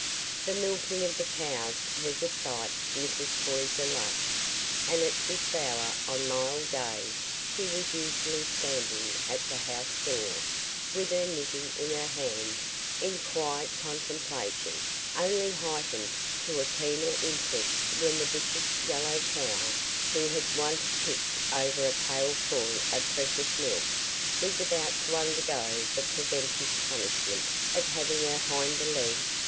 The milking of the cows was a sight Mrs. Poyser loved, and at this hour on mild days she was usually standing at the house door, with her knitting in her hands, in quiet contemplation, only heightened to a keener interest when the vicious yellow cow, who had once kicked over a pailful of precious milk, was about to undergo the preventive punishment of having her hinder legs strapped.